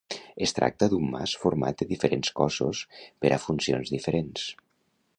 Es tracta d'un mas format de diferents cossos per a funcions diferents.